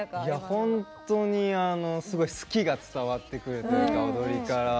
本当に好きが伝わってくるというか踊りから。